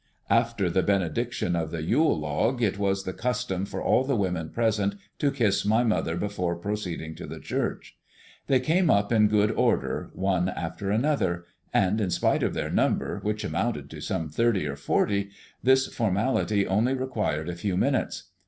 After the benediction of the Yule log it was the custom for all the women present to kiss my mother before proceeding to the church. They came up in good order, one after another; and in spite of their number, which amounted to some thirty or forty, this formality only required a few minutes.